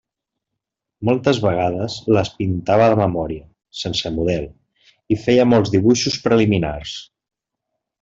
Moltes vegades les pintava de memòria, sense model, i feia molts dibuixos preliminars.